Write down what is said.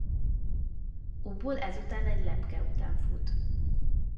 Ubul ezután egy lepke után fut.